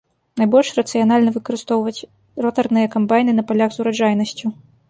Найбольш рацыянальна выкарыстоўваць ротарныя камбайны на палях з ураджайнасцю.